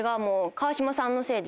川島さんのせいで？